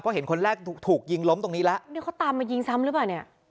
เพราะเห็นคนแรกถูกยิงล้มตรงนี้แล้วนี่เขาตามมายิงซ้ำหรือเปล่าเนี่ย